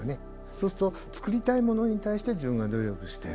そうすると作りたいものに対して自分が努力している。